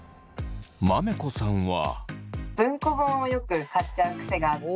まめこさんは。